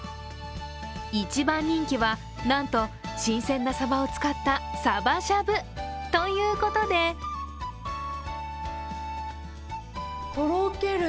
一番人気は、なんと新鮮なさばを使ったさばしゃぶということでとろける。